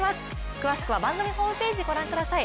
詳しくは番組ホームページご覧ください。